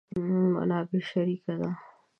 منابع شریکه ده.